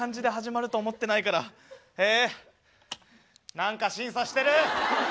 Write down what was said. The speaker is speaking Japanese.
何か審査してる！